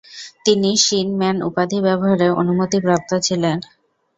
তিনি শীনম্যান উপাধি ব্যবহারে অনুমতিপ্রাপ্ত ছিলেন।